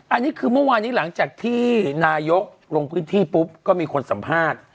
อันนี้คือเมื่อวานนี้หลังจากที่นายกลงพื้นที่ปุ๊บก็มีคนสัมภาษณ์